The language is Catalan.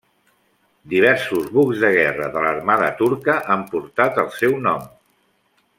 Diversos bucs de guerra de l'armada turca han portat el seu nom.